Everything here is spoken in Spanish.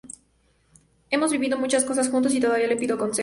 Hemos vivido muchas cosas juntos y todavía le pido consejos.